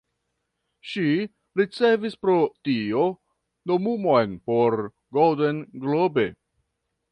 Ŝi ricevis pro tio nomumon por "Golden Globe".